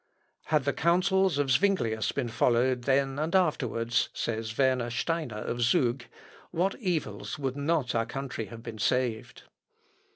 "Had the counsels of Zuinglius been followed then and afterwards," says Werner Steiner of Zug, "what evils would not our country have been saved!"